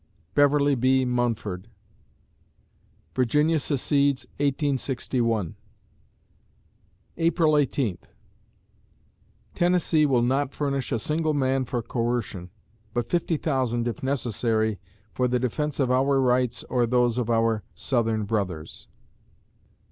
BEVERLEY B. MUNFORD Virginia secedes, 1861 April Eighteenth Tennessee will not furnish a single man for coercion, but 50,000 if necessary for the defense of our rights or those of our Southern brothers.